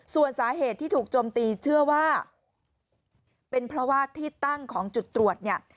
ส่วนสาเหตุที่ถูกโจมตีเชื่อว่าเป็นเพราะว่าที่ตั้งของจุดตรวจเนี่ย